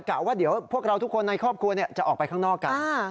ว่าเดี๋ยวพวกเราทุกคนในครอบครัวจะออกไปข้างนอกกัน